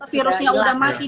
virusnya udah maju